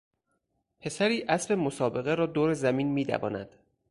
پسری اسب مسابقه را دور زمین میدواند.